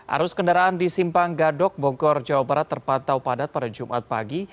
arus kendaraan di simpang gadok bogor jawa barat terpantau padat pada jumat pagi